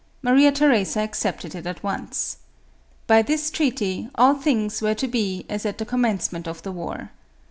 Maria Theresa accepted it at once. By this treaty, all things were to be as at the commence ment of the war.